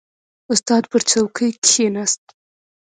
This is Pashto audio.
• استاد پر څوکۍ کښېناست.